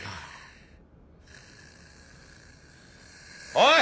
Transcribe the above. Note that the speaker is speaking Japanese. おい！